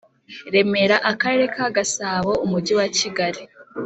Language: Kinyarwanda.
Remera Akarere ka Gasabo Umujyi wa Kigali